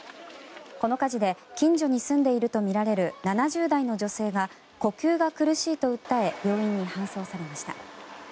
この火事で近所に住んでいるとみられる７０代の女性が呼吸が苦しいと訴え病院に搬送されました。